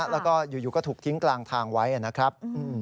แล้วก็อยู่ก็ถูกทิ้งกลางทางไว้นะครับ